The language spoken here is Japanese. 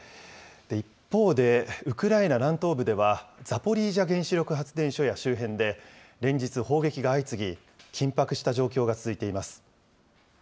一方で、ウクライナ南東部ではザポリージャ原子力発電所や周辺で、連日、砲撃が相次ぎ、緊迫した状況が続いています。